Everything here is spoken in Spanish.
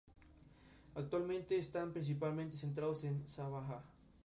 Actualmente están principalmente centrados en Sabha.